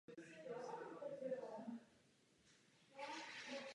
V restauraci se Daniel chová k Jen chladně.